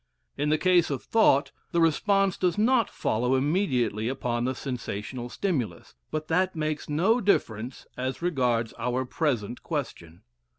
In the case of thought, the response does not follow immediately upon the sensational stimulus, but that makes no difference as regards our present question.